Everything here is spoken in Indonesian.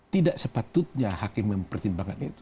tidak sepatutnya hakim mempertimbangkan itu